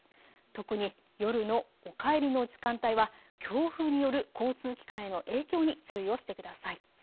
特に夜のお帰りの時間帯は強風による交通機関への影響に注意をしてください。